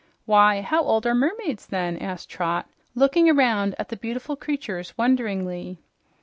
"Why, how old are mermaids, then?" asked Trot, looking around at the beautiful creatures wonderingly.